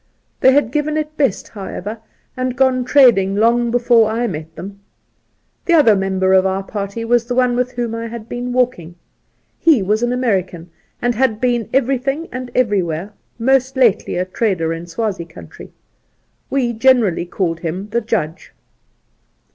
They had given it best, however, and gone trading long before I met them. The other member of our party was the one with whom I had been walking. He was an American, and had been everything and everywhere, most lately a trader in Swazie country. We generally called him the Judge.